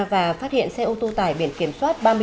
và phát hiện xe ô tô tải biển kiểm soát